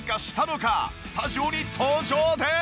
スタジオに登場です！